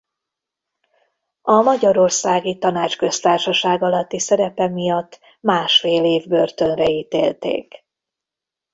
A Magyarországi Tanácsköztársaság alatti szerepe miatt másfél év börtönre ítélték.